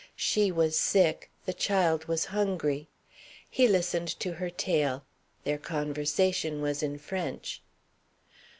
She was sick; the child was hungry. He listened to her tale. Their conversation was in French.